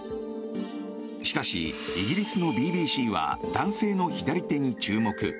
しかし、イギリスのＢＢＣは男性の左手に注目。